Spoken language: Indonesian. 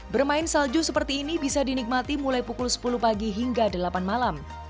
bermain salju seperti ini bisa dinikmati mulai pukul sepuluh pagi hingga delapan malam